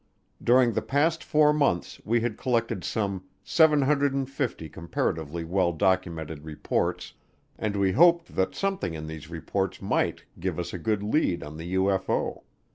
During the past four months we had collected some 750 comparatively well documented reports, and we hoped that something in these reports might give us a good lead on the UFO.